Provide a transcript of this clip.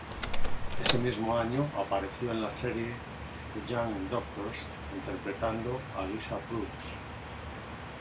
Ese mismo año apareció en la serie "The Young Doctors" interpretando a Lisa Brooks.